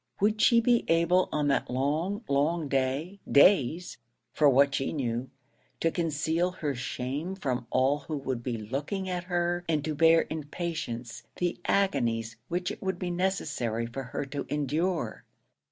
Would she be able on that long, long day days, for what she knew to conceal her shame from all who would be looking at her, and to bear in patience the agonies which it would be necessary for her to endure?